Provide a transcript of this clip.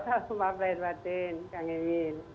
mohon maaf lahir dan batin kang emil